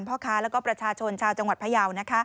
พ่อค้าแล้วก็ประชาชนชาวจังหวัดพยาว